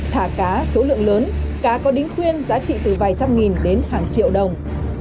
thả cá số lượng lớn cá có đính khuyên giá trị từ vài trăm nghìn đến hàng triệu đồng